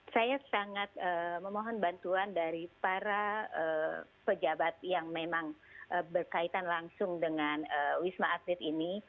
saya sangat memohon bantuan dari para pejabat yang memang berkaitan langsung dengan wisma atlet ini